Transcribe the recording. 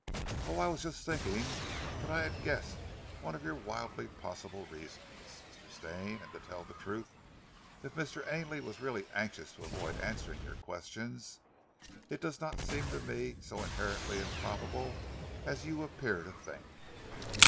"Oh, I was just thinking that I had guessed one of your wildly possible reasons, Mr. Stane; and to tell the truth, if Mr. Ainley was really anxious to avoid answering your questions, it does not seem to me so inherently improbable as you appear to think."